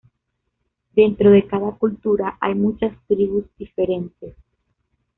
Dentro de cada cultura hay muchas tribus diferentes.